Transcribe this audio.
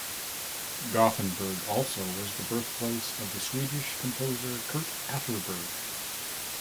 Gothenburg also was the birthplace of the Swedish composer Kurt Atterberg.